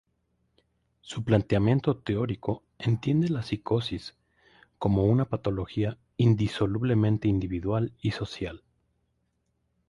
Su planteamiento teórico entiende la psicosis como una patología indisolublemente individual y social.